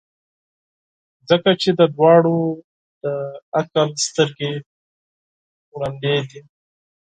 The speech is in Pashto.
ځکه چي د دواړو د عقل سترګي ړندې دي.